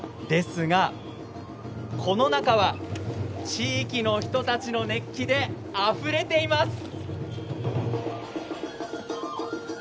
ですが、この中は地域の人たちの熱気であふれています。